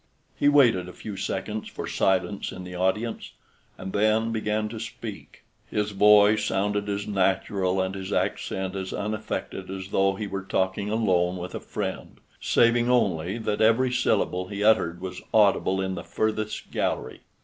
He waited a few seconds for silence in the audience, and then began to speak. His voice sounded as natural and his accent as unaffected as though he were talking alone with a friend, saving only that every syllable he uttered was audible in the furthest gallery.